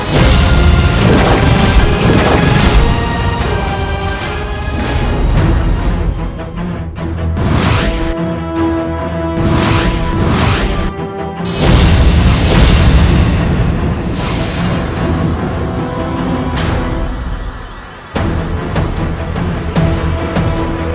seseorang menganggur dirimu